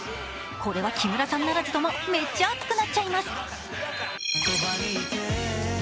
これは木村さんならずともめっちゃ熱くなっちゃいます。